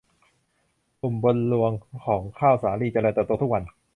ปุ่มบนรวงของข้าวสาลีเจริญเติบโตทุกวัน